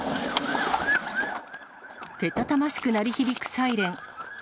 けたたましく鳴り響くサイレン。